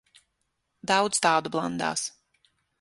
Daudz tādu blandās.